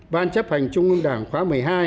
ban chấp hành trung ương đảng khóa một mươi hai